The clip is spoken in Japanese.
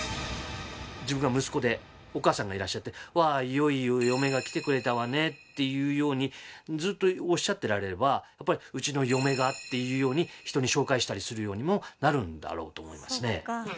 自分が息子でお母さんがいらっしゃって「うわ良い嫁が来てくれたわね」っていうようにずっとおっしゃってられればやっぱり「うちの嫁が」っていうように人に紹介したりするようにもなるんだろうと思いますね。